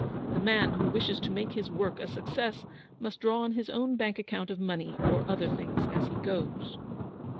The man who wishes to make his work a success must draw on his own bank account of money or other things as he goes.